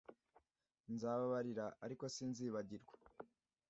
Nzababarira ariko sinzibagirwa